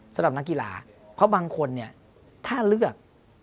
สำหรับนักกีฬาเพราะบางคนเนี่ยถ้าเลือก